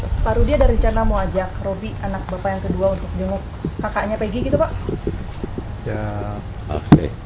pak rudi ada rencana mau ajak roby anak bapak yang kedua untuk jenguk kakaknya pg gitu pak